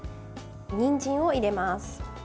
にんじんを入れます。